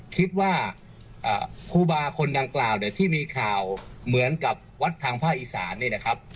ครูบาคนดังกล่าวเนี่ยที่มีข่าวเหมือนกับวัดทางภาคอีสานเนี่ยนะครับ